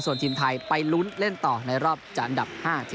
ส่วนทีมไทยไปลุ้นเล่นต่อในรอบจัดอันดับ๕